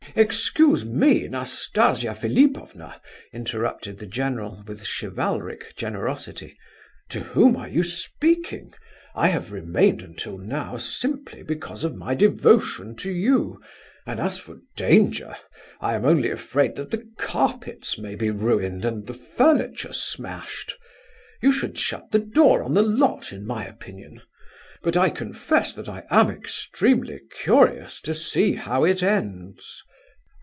"Excuse me, Nastasia Philipovna," interrupted the general, with chivalric generosity. "To whom are you speaking? I have remained until now simply because of my devotion to you, and as for danger, I am only afraid that the carpets may be ruined, and the furniture smashed!... You should shut the door on the lot, in my opinion. But I confess that I am extremely curious to see how it ends."